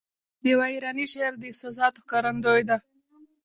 د یوه ایراني شاعر د احساساتو ښکارندوی ده.